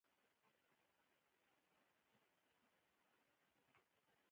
کپسول د فاګوسایټوسس له عملیې څخه باکتریاوې ساتي.